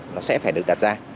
nó sẽ phải được đặt ra